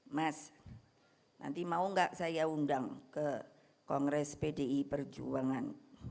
mas nanti mau nggak saya undang ke kongres pdi perjuangan